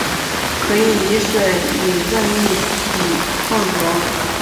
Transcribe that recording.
可以与水以任意比混溶。